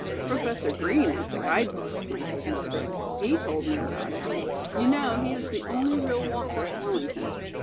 "Professor Green is the guide book," answered Margaret. "He told me about it. You know he is the only real walker at Wellington.